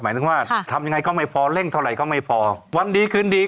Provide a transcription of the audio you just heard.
หมายถึงว่าทำยังไงก็ไม่พอเร่งเท่าไหร่ก็ไม่พอวันดีคืนดี